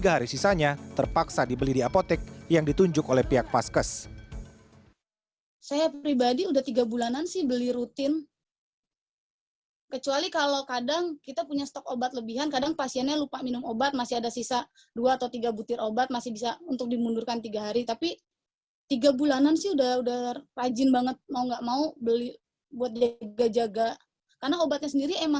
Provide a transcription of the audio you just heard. dua puluh tiga hari sisanya terpaksa dibeli di apotek yang ditunjuk oleh pihak faskes